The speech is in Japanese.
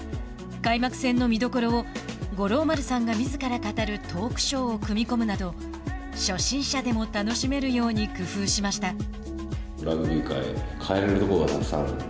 開幕戦の見どころを五郎丸さんがみずから語るトークショーを組み込むなど初心者でも楽しめるように工夫しました。